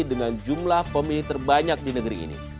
dengan jumlah pemilih terbanyak di negeri ini